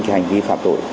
hành vi phạm tội